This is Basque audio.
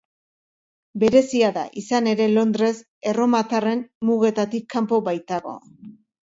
Berezia da, izan ere Londres erromatarraren mugetatik kanpo baitago.